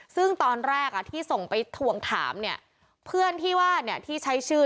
ซึ่งตอนแรกอ่ะที่ส่งไปทวงถามเนี่ยเพื่อนที่ว่าเนี่ยที่ใช้ชื่อ